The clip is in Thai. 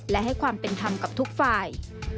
และให้ความเป็นธรรมกับทุกฝ่าย